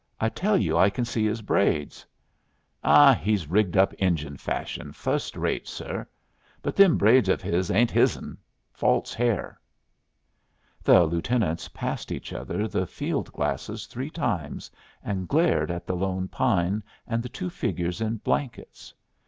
I tell you I can see his braids." "Oh, he's rigged up Injun fashion, fust rate, sir. But them braids of his ain't his'n. False hair." The lieutenants passed each other the fieldglasses three times, and glared at the lone pine and the two figures in blankets.